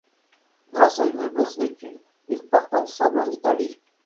Grâce à une bourse d'étude, ils partent ensemble en Italie.